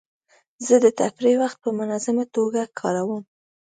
زه د تفریح وخت په منظمه توګه کاروم.